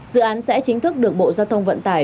dự án sẽ chính thức được bộ giao thông vận tải